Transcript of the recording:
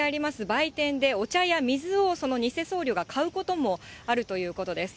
売店で、お茶や水をその偽僧侶が買うこともあるということです。